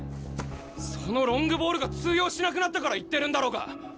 そのロングボールが通用しなくなったから言ってるんだろうが。